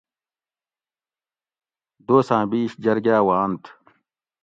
دوساں بِیش جرگا وانتھ